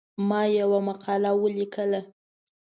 ما یوه مقاله ولیکله.